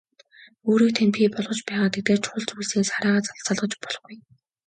Өөрийг тань бий болгож байгаа тэдгээр чухал зүйлсээс хараагаа салгаж болохгүй.